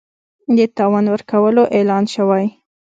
د تاوان ورکولو اعلان شوی